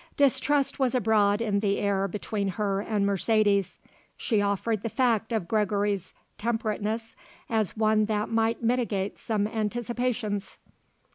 Distrust was abroad in the air between her and Mercedes; she offered the fact of Gregory's temperateness as one that might mitigate some anticipations.